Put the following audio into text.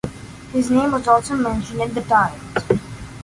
His name was also mentioned in "The Times".